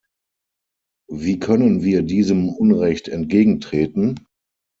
Wie können wir diesem Unrecht entgegentreten?